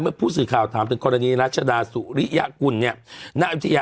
เมื่อผู้สื่อข่าวถามคนนี้รัชดาศุริยกุลเนี่ย